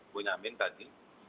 bu nyamin tadi